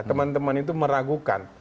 teman teman itu meragukan